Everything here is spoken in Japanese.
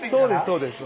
そうです